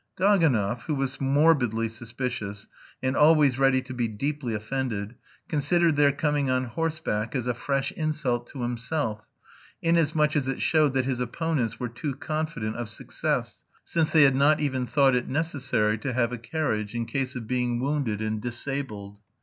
Gaganov, who was morbidly suspicious and always ready to be deeply offended, considered their coming on horseback as a fresh insult to himself, inasmuch as it showed that his opponents were too confident of success, since they had not even thought it necessary to have a carriage in case of being wounded and disabled.